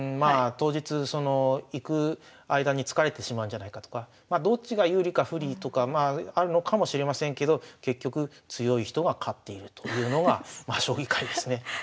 当日その行く間に疲れてしまうんじゃないかとかどっちが有利か不利とかまああるのかもしれませんけど結局強い人が勝っているというのがまあ将棋界ですね。